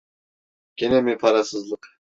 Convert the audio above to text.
Gene mi parasızlık?